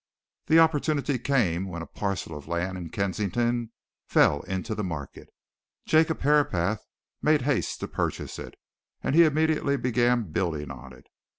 The opportunity came when a parcel of land in Kensington fell into the market Jacob Herapath made haste to purchase it, and he immediately began building on it.